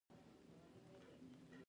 آیا امنیت د اقتصاد لپاره مهم دی؟